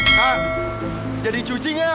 kak jadi cuci gak